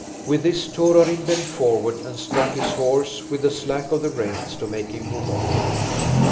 With this Torarin bent forward and struck his horse with the slack of the reins to make him move off.